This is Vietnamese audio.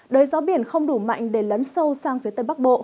đới gió biển không đủ mạnh để lấn sâu sang phía tây bắc bộ